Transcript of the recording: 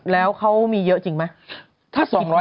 แล้วเขามีเยอะจริงไหม